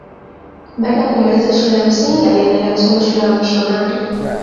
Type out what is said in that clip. Baada ya kumaliza shule ya msingi aliendelea kusoma shule ya wamisionari